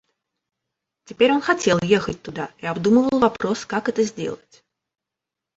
Теперь он хотел ехать туда и обдумывал вопрос, как это сделать.